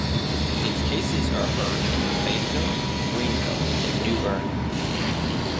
Its cases are heard in Fayetteville, Greenville, and New Bern.